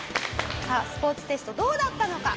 さあスポーツテストどうだったのか？